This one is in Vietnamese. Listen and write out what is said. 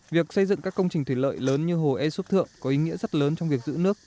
việc xây dựng các công trình thủy lợi lớn như hồ e xúc thượng có ý nghĩa rất lớn trong việc giữ nước